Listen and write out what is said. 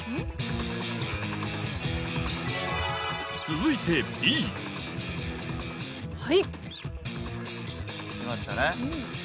続いてＢ来ましたね。